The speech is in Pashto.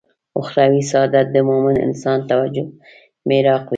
اخروي سعادت د مومن انسان توجه محراق وي.